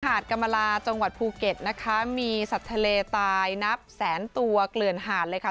หาดกรรมลาจังหวัดภูเก็ตนะคะมีสัตว์ทะเลตายนับแสนตัวเกลื่อนหาดเลยค่ะ